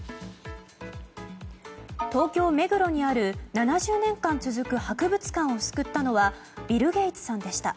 東京・目黒にある７０年間続く博物館を救ったのはビル・ゲイツさんでした。